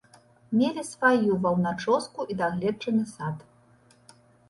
Мелі сваю ваўначоску і дагледжаны сад.